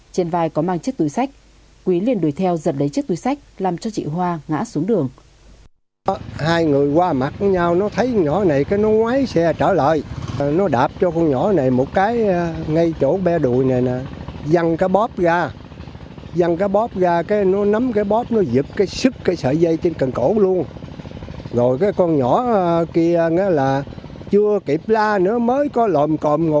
trên vai có mang chiếc túi sách quý liền đuổi theo giật lấy chiếc túi sách làm cho chị hoa ngã xuống đường